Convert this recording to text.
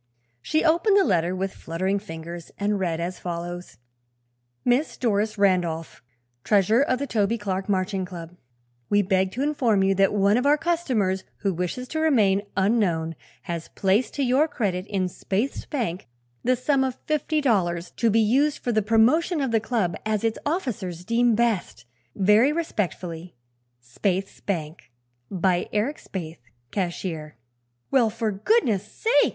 She opened the letter with fluttering fingers and read as follows: "Miss Doris Randolph, Treasurer of the Toby Clark Marching Club: "We beg to inform you that one of our customers, who wishes to remain unknown, has placed to your credit in Spaythe's Bank the sum of Fifty Dollars, to be used for the promotion of the Club as its officers deem best. Very respectfully, Spaythe's Bank, by Eric Spaythe, Cashier." "Well, for goodness sake!"